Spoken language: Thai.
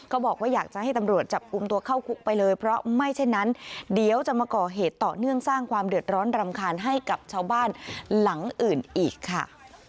บอกว่าอยากจะให้ตำรวจจับกลุ่มตัวเข้าคุกไปเลยเพราะไม่เช่นนั้นเดี๋ยวจะมาก่อเหตุต่อเนื่องสร้างความเดือดร้อนรำคาญให้กับชาวบ้านหลังอื่นอีกค่ะ